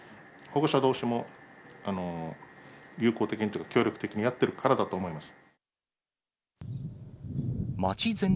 保護者どうしも、友好的にというか協力的にやってるからだと思います。